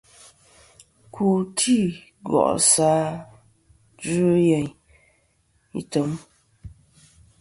Ku'tɨ ngòsɨ a djuyeyn etm.